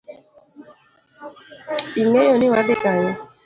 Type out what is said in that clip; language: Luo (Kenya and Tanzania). Ing’eyoni wadhi Kanye?